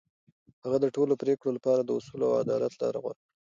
هغه د ټولو پرېکړو لپاره د اصولو او عدالت لار غوره کړه.